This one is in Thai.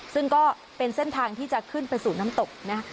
ซึ่งก็เป็นเส้นทางที่จะขึ้นไปสู่น้ำตกนะ